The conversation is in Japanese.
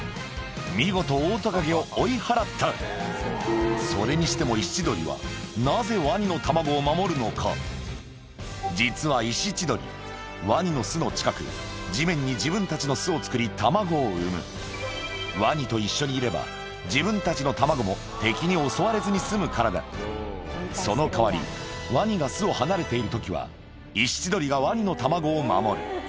見事オオトカゲを追い払ったそれにしてもイシチドリは実はイシチドリワニの巣の近く地面に自分たちの巣を作り卵を産む敵に襲われずに済むからだその代わりワニが巣を離れている時はイシチドリがワニの卵を守る